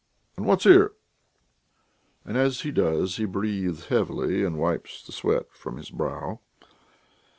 And what's here?" And as he does so he breathes heavily and wipes the sweat from his brow.